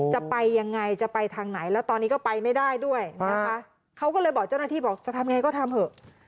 จะไปยังไงจะไปทางไหนแล้วตอนนี้ก็ไปไม่ได้ด้วยนะคะเขาก็เลยบอกเจ้าหน้าที่บอกจะทำยังไงก็ทำเถอะ